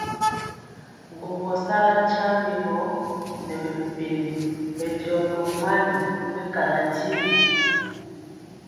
Ŋgɔɔgɔ sala tyiambe gɔ nɛ mɛmpegi bɛndiɔ tomali mɛkana tyigui y.